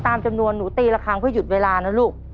ตามจำนวนหนูตีละครั้งเพื่อหยุดเวลานะลูก